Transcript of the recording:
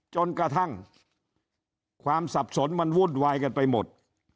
จนกระทั่งความสับสนมันวุ่นวายกันไปหมด